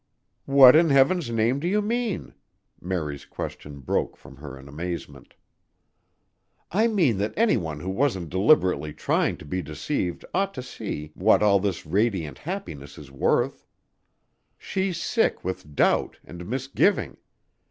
"What in heaven's name do you mean?" Mary's question broke from her in amazement. "I mean that anyone who wasn't deliberately trying to be deceived ought to see what all this radiant happiness is worth. She's sick with doubt and misgiving.